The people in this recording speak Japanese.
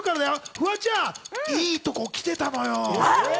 フワちゃんいとこ来てたのよ。